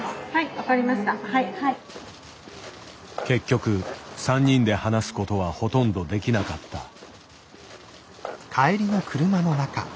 結局３人で話すことはほとんどできなかった。